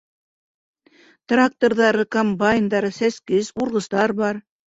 Тракторҙары, комбайндары, сәскес, урғыстар бар.